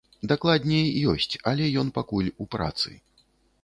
Дакладней, ёсць, але ён пакуль у працы.